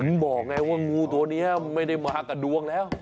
บอกไงว่างูตัวนี้ไม่ได้มากับดวงแล้ว